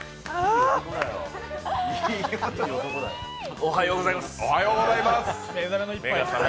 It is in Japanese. おはようございます。